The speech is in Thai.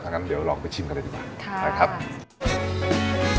งั้นเดี๋ยวลองไปชิมกันเลยดีกว่านะครับ